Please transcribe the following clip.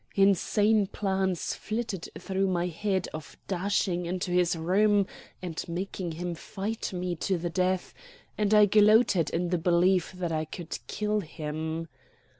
Insane plans flitted through my head of dashing into his room and making him fight me to the death; and I gloated in the belief that I could kill him.